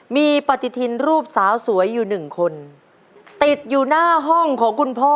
มีปฏิทินรูปสาวสวยอยู่หนึ่งคนติดอยู่หน้าห้องของคุณพ่อ